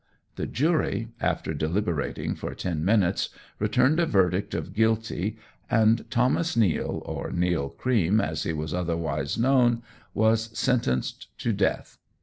The jury, after deliberating for ten minutes, returned a verdict of guilty, and Thomas Neill, or Neill Cream, as he was otherwise known, was sentenced to death.